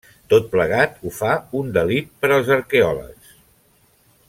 Tot plegat ho fa un delit per als arqueòlegs.